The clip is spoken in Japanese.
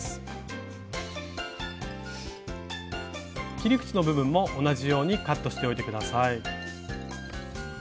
切り口の部分も同じようにカットしておいて下さい。